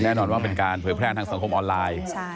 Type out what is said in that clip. แน่นอนว่าเป็นการเผยแพร่ทางสังคมออนไลน์